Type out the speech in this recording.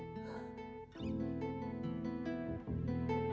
tadi juga ada kamu